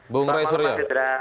selamat malam pak sidra